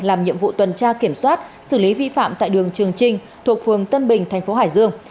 làm nhiệm vụ tuần tra kiểm soát xử lý vi phạm tại đường trường trinh thuộc phường tân bình thành phố hải dương